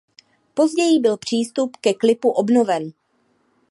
Později byl přístup ke klipu obnoven.